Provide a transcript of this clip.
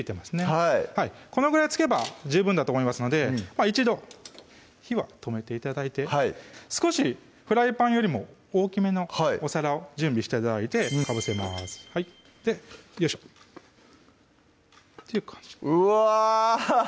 はいこのぐらいつけば十分だと思いますので一度火は止めて頂いてはい少しフライパンよりも大きめのお皿を準備して頂いてかぶせますはいでよいしょうわ！